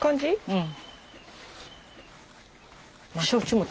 うん。